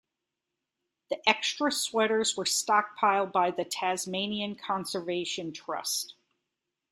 The extra sweaters were stockpiled by the Tasmanian Conservation Trust.